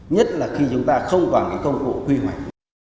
nhất là khi chúng ta không còn cái công cụ quy hoạch